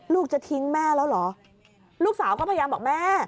จะทิ้งแม่แล้วเหรอลูกสาวก็พยายามบอกแม่